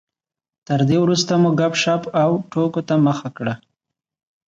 تر دې وروسته مو ګپ شپ او ټوکو ته مخه کړه.